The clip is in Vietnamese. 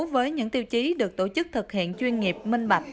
với những tiêu chí được tổ chức thực hiện chuyên nghiệp minh bạch